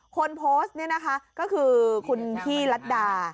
คนโพสต์นี่นะคะก็คือคุณพี่รัฐดา